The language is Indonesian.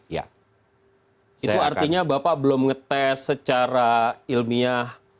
itu artinya bapak belum ngetes secara ilmiah